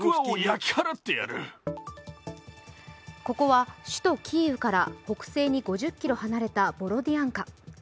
ここは首都キーウから北西に５０ｋｍ離れたボロディアンカ。